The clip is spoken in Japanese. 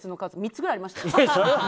３つくらいありました。